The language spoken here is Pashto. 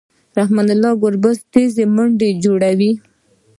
رحمن الله ګربز تېزې منډې جوړوي.